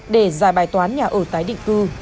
để giải bài toán nhà ở tái định cư